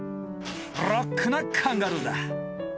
ロックなカンガルーだ。